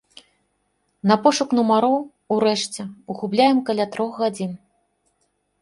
На пошук нумароў урэшце губляем каля трох гадзін.